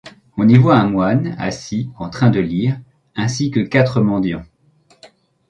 On y voit un moine assis en train de lire ainsi que quatre mendiants.